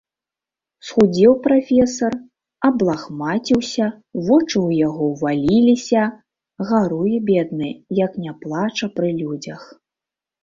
Схудзеў прафесар, аблахмаціўся, вочы ў яго ўваліліся, гаруе бедны, як не плача пры людзях.